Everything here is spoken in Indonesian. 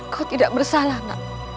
kau tidak bersalah nak